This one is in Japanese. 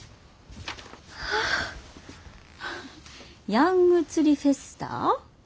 ヤング釣りフェスタ？